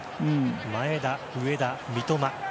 前田、上田、三笘。